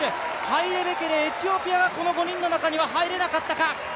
ハイレ・べケレ、エチオピアはこの５人の中に入れなかったか。